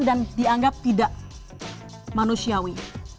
dan dianggap tidak manusiawi